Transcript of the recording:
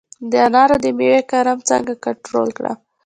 د انارو د میوې کرم څنګه کنټرول کړم؟